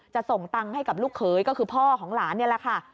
ส่งตังค์ให้กับลูกเขยก็คือพ่อของหลานนี่แหละค่ะ